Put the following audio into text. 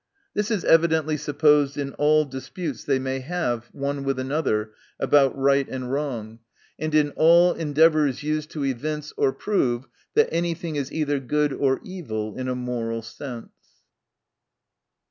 This is evidently supposed in all disputes they may have one with another, about right and wrong ; and in all endeavors used to evince or prove that any thing is either good or evil, in a moral sense.